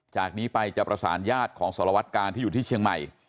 จากนี้ไปจะประสานญาติของสารวัตกาลที่อยู่ที่เชียงใหม่